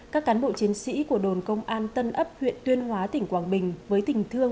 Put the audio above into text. các cán bộ chiến sĩ của đồn công an tân ấp huyện tuyên hóa tỉnh quảng bình với tình thương